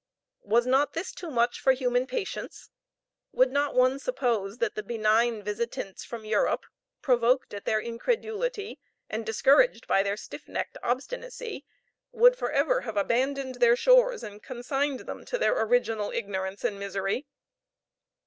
Was not this too much for human patience? Would not one suppose that the benign visitants from Europe, provoked at their incredulity and discouraged by their stiff necked obstinacy, would for ever have abandoned their shores, and consigned them to their original ignorance and misery?